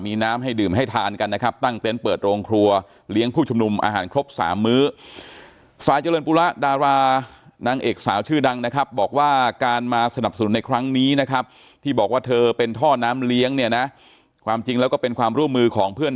มีน้ำให้ดื่มให้ทานกันนะครับตั้งเต็มเปิดโรงครัวเลี้ยง